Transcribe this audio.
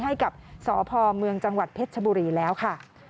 ให้กับสพเมืองจังหวัดเพชรชบุรีแล้วค่ะ